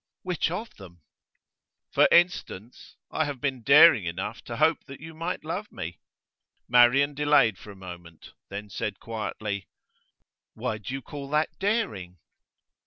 'Which of them?' 'For instance, I have been daring enough to hope that you might love me.' Marian delayed for a moment, then said quietly: 'Why do you call that daring?